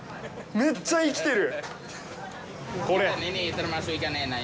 めっちゃ生きてる！